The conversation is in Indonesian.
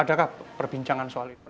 adakah perbincangan soal itu